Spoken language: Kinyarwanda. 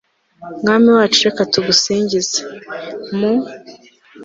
mwami wacu reka tugusingize, mu